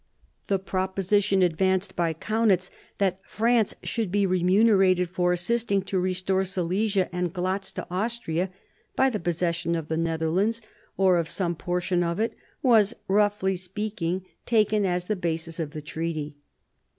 The proposition advanced , by Kaunitz that France should be remunerated for assisting to restore Silesia and Glatz to Austria, by the possession of the Netherlands or of some portion of it, was, roughly speaking, taken as the basis of the treaty.